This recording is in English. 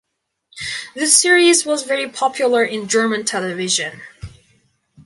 This series was very popular in German television.